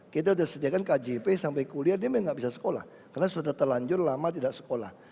kita sudah sediakan kjp sampai kuliah dia memang tidak bisa sekolah karena sudah terlanjur lama tidak sekolah